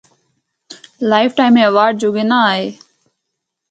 Life time award جوگے ناں آئے۔